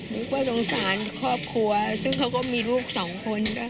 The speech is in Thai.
ว่าสงสารครอบครัวซึ่งเขาก็มีลูกสองคนด้วย